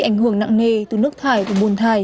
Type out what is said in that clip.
ảnh hưởng nặng nề từ nước thải và bùn thải